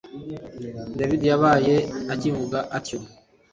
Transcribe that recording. david yabaye akivuga atyo